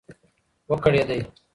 و کړېدی .